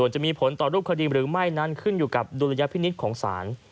จะมีผลต่อรูปคดีหรือไม่นั้นขึ้นอยู่กับดุลยพินิษฐ์ของศาล